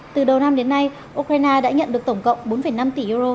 từ đầu năm đến nay ukraine đã nhận được tổng cộng bốn năm tỷ euro